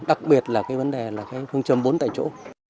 đặc biệt là cái vấn đề là cái phương châm bốn tại chỗ